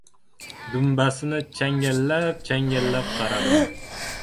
Dumbasini changallab-changallab qaradim.